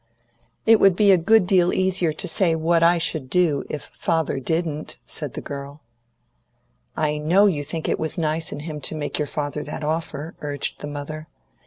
"It would be a good deal easier to say what I should do if father didn't," said the girl. "I know you think it was nice in him to make your father that offer," urged the mother.